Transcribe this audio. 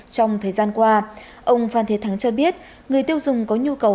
trong thời gian qua ông phan thế thắng cho biết người tiêu dùng có nhu cầu